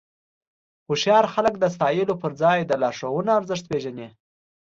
هوښیار خلک د ستایلو پر ځای د لارښوونو ارزښت پېژني.